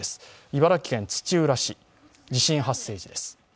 茨城県土浦市、地震発生時です。